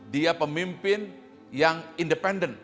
dia pemimpin yang independen